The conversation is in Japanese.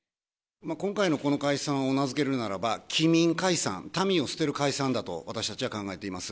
今回のこの解散を名付けるならば、棄民解散、民を捨てる解散だと、私たちは考えています。